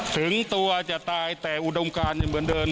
ถึงตัวจะตายแต่อุดมการยังเหมือนเดิม